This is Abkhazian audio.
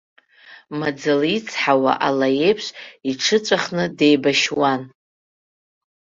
Маӡала ицҳауа алеиԥш, иҽыҵәахны деибашьуан.